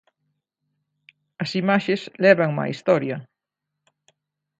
As imaxes lévanme á historia.